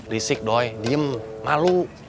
risik doi diam malu